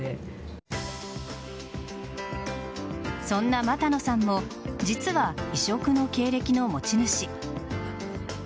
そんな俣野さんも実は異色の経歴の持ち主。